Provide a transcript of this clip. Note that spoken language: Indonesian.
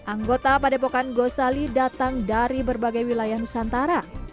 anggota padepokan gosali datang dari berbagai wilayah nusantara